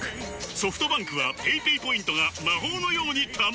ソフトバンクはペイペイポイントが魔法のように貯まる！